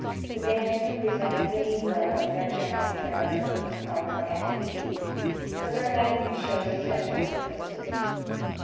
The Bantu resemble the Negro in their general char acter, color, and physique, but their language shows essential differences.